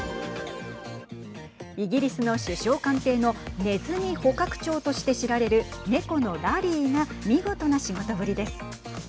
イギリスの首相官邸のねずみ捕獲長として知られる猫のラリーが見事な仕事ぶりです。